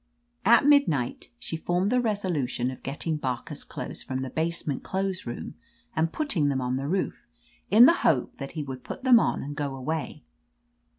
"At midnight she formed the resolution of getting Barker's clothes from the basement clothes room and putting them on the roof, in the hope that he would put them on and go away.